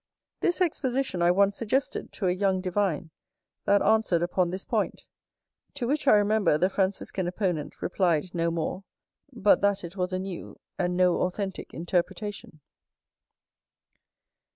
This exposition I once suggested to a young divine, that answered upon this point; to which I remember the Franciscan opponent replied no more, but, that it was a new, and no authentick interpretation.